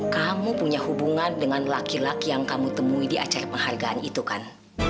kamu punya hubungan dengan laki laki yang kamu temui di acara penghargaan itu kan